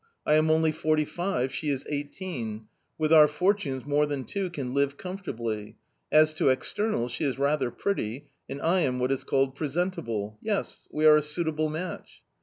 " I am only forty five, she is eighteen ; with our fortunes more than two can live comfortably. As to externals she is rather pretty, and I am what is called presentable. Yes, we are a suitable match."